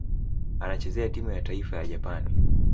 Anachezea timu ya taifa ya Japani.